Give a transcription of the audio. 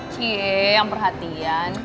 cie yang perhatian